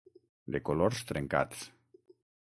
De colors trencats.